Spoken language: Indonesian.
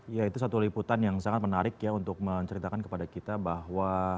ya itu satu liputan yang sangat menarik ya untuk menceritakan kepada kita bahwa